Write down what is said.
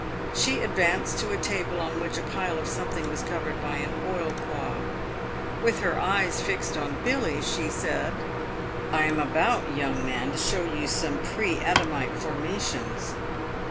She advanced to a table, on which a pile of some thing was covered by an oilcloth. "With her eyes fixed on Billy, she said, " I am about, young man, to show you some pre Adamite for mations."